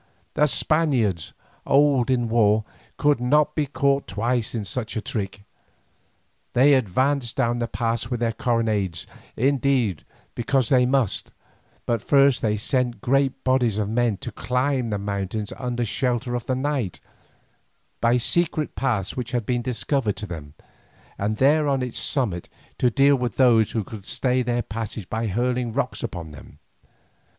The Spaniards, old in war, could not be caught twice by such a trick; they advanced down the pass with the carronades indeed because they must, but first they sent great bodies of men to climb the mountain under shelter of the night, by secret paths which had been discovered to them, and there on its summit to deal with those who would stay their passage by hurling rocks upon them.